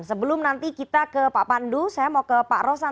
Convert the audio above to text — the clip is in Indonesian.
sebelum nanti kita ke pak pandu saya mau ke pak rosan